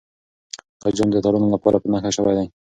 دا جام د اتلانو لپاره په نښه شوی دی.